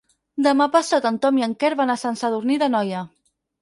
Demà passat en Tom i en Quer van a Sant Sadurní d'Anoia.